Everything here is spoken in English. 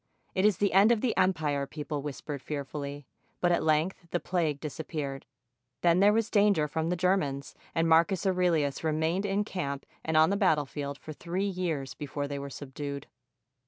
"It is the end of the empire," people whispered fearfully; but at length the plague disappeared. Then there was danger from the Germans, and Marcus Aurelius remained in camp and on the battle field for three years before they were subdued.